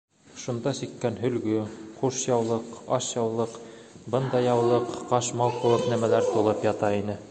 Шунда сиккән һөлгө, ҡушъяулыҡ, ашъяулыҡ, бындай яулыҡ, ҡашмау кеүек нәмәләр тулып ята ине.